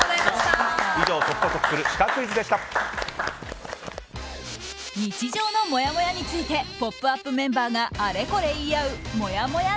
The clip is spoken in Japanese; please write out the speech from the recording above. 以上日常のもやもやについて「ポップＵＰ！」メンバーがあれこれ言い合うもやもや